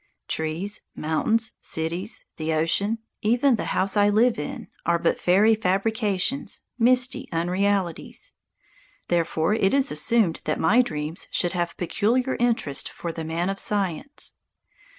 Trees, mountains, cities, the ocean, even the house I live in are but fairy fabrications, misty unrealities. Therefore it is assumed that my dreams should have peculiar interest for the man of science.